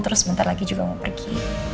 terus sebentar lagi juga mau pergi